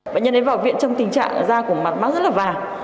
bệnh nhân ấy vào viện trong tình trạng da của mặt mắc rất là vàng